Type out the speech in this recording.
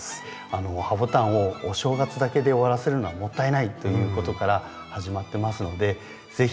ハボタンをお正月だけで終わらせるのはもったいないということから始まってますので是非